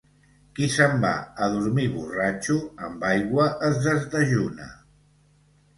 Qui se'n va a dormir borratxo amb aigua es desdejuna.